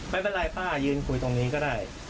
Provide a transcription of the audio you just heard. ไม่เป็นไรป้ายืนคุยตรงนี้ก็ได้